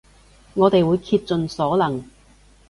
我哋會竭盡所能